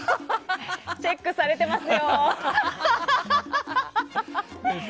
チェックされてますよー！